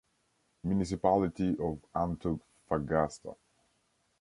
Municipality of Antofagasta.